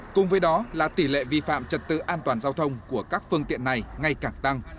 cùng với đó là tỷ lệ vi phạm trật tự an toàn giao thông của các phương tiện này ngay càng tăng